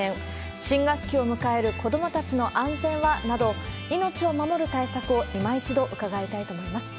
新学期を迎える子どもたちの安全はなど、命を守る対策をいま一度伺いたいと思います。